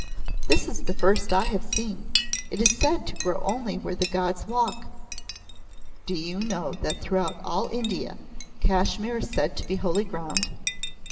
"This is the first I have seen. It is said to grow only where the gods walk. Do you know that throughout all India Kashmir is said to be holy ground?